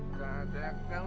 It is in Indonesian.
nggak ada akal